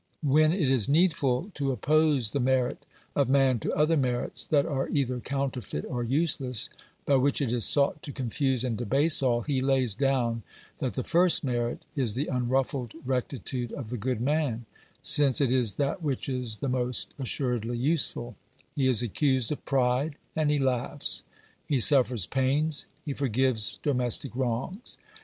When it is needful to oppose the merit of man to other merits that are either counterfeit or useless, by which it is sought to confuse and debase all, he lays down that the first merit is the unruffled rectitude of the good man, since it is that which is the most assuredly useful ; he is accused of pride and he laughs. He suffers pains, he forgives domestic wrongs.